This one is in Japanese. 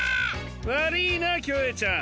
わりぃなキョエちゃん。